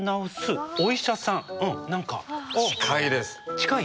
近い？